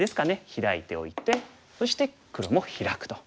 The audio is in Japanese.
ヒラいておいてそして黒もヒラくと。